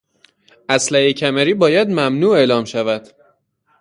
اسلحهی کمری باید ممنوع اعلام شود.